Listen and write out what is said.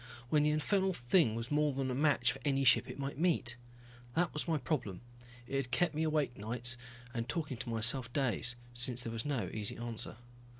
When the infernal thing was more than a match for any ship it might meet. That was my problem. It had kept me awake nights and talking to myself days, since there was no easy answer.